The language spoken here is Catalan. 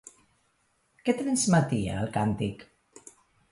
Què transmetia el càntic?